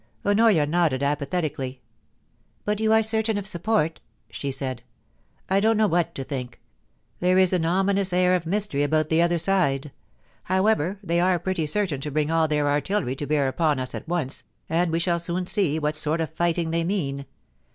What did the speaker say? Honoria nodded apathetically. * But you are certain of support,' she said. * I don't know what to think There is an ominous air THE ORDEAL, 389 of mystery about the other side. However, they are pretty certain to bring all their aitilleiy to bear upon us at once, and we shall soon see what sort of fighdng they mean.